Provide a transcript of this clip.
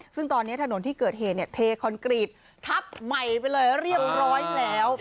ซึ่งตอนนี้ถนนที่เกิดเหตุเนี่ยเทคอนกรีตทับใหม่ไปเลยเรียบร้อยแล้ว